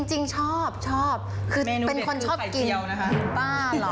จริงชอบคือเป็นคนชอบกินเมนูของเป็นแบบขายเคี้ยวนะคะ